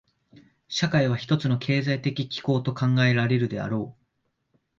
社会は一つの経済的機構と考えられるであろう。